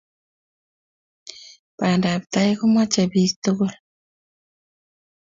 pandab tai komache pik tugul